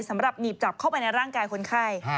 สำหรับหนีบจับเข้าไปในร่างกายคนไข้